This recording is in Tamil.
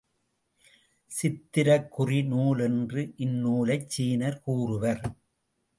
சித்திரக்குறி நூல் என்று இந்நூலைச் சீனர் கூறுவர்.